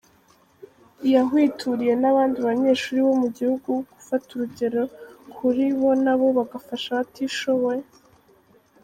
Yahwituriye n’abandi banyeshuri bo mu gihugu kufata urugero kuri bo nabo bagafasha abatishoboye.